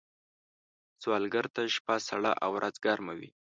سوالګر ته شپه سړه او ورځ ګرمه وي